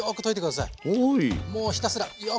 もうひたすらよく溶く。